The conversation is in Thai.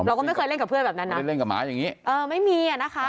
เราก็ไม่เคยเล่นกับเพื่อนแบบนั้นนะไปเล่นกับหมาอย่างงี้เออไม่มีอ่ะนะคะ